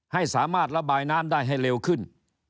ให้สามารถระบายน้ำได้ให้เร็วขึ้น